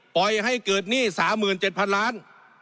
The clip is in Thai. ปล่อยให้เกิดหนี้๓๗๐๐๐ล้าน